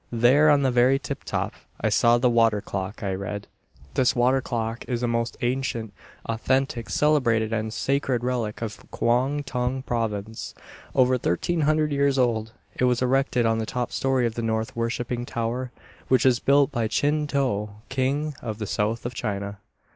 There, on the very tip top I saw the "Water Clock." I read, "This water clock is a most ancient, authentic, celebrated and sacred relic of Kwong Tung Province, over 1,300 years old. It was erected on the top story of the north Worshiping Tower which was built by Chin To, King of the South of China."